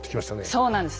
そうなんです。